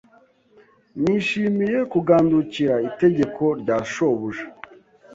Nishimiye kugandukira itegeko rya shobuja